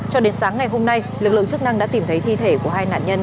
cho đến sáng ngày hôm nay lực lượng chức năng đã tìm thấy thi thể của hai nạn nhân